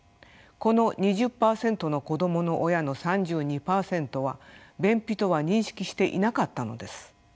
この２０％の子どもの親の３２％は便秘とは認識していなかったのです。